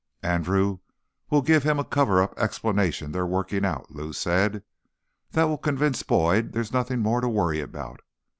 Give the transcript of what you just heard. "Andrew will give him a cover up explanation they're working out," Lou said. "That will convince Boyd there's nothing more to worry about.